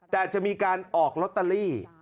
แต่จะมีการออกลอตเตอรี่